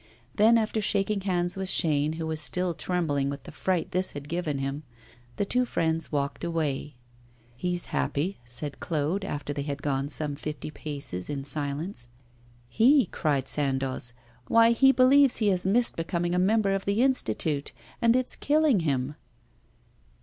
Then, after shaking hands with Chaîne, who was still trembling with the fright this had given him, the two friends walked away. 'He's happy,' said Claude, after they had gone some fifty paces in silence. 'He!' cried Sandoz; 'why, he believes he has missed becoming a member of the Institute, and it's killing him.